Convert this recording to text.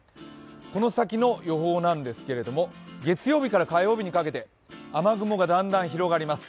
この先の予報なんですけれども、月曜日から火曜日にかけて雨雲がだんだん広がります。